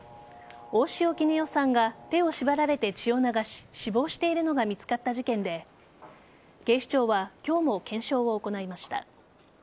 大塩衣与さんが手を縛られて血を流し死亡しているのが見つかった事件で警視庁は今日も検証を行いました。